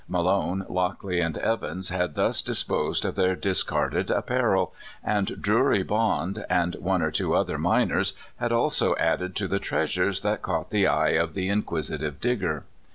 Malone, Lockley, and Evans had thus disposed of their discarded apparel, and Drury Bond, and one or two other miners, had also added to the treasures that caught the eye of the inquisitive Digger.